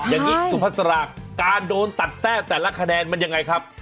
อย่างนี้สุภาษาการโดนตัดแต้มแต่ละคะแนนมันยังไงครับ